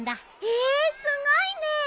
へえすごいねえ。